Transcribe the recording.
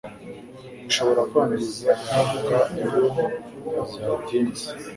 ishobora kwangiza intanga iyo zihatinze